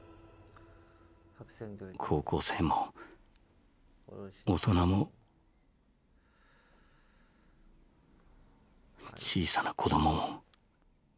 高校生も大人も小さな子どもも。